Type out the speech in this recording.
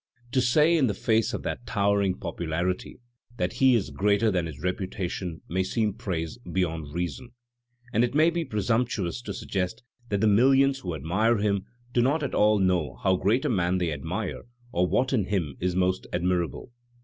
To say in the face of that towering popularity that he is greater than his reputation may seem praise beyond reason, and it may be presumptuous to suggest that the millions who admire him do not all know how great a man they admire or what in him is most admirable.